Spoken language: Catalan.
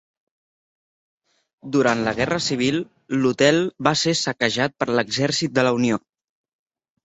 Durant la Guerra Civil, l'hotel va ser saquejat per l'Exèrcit de la Unió.